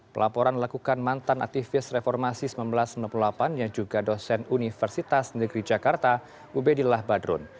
pelaporan dilakukan mantan aktivis reformasi seribu sembilan ratus sembilan puluh delapan yang juga dosen universitas negeri jakarta ubedillah badrun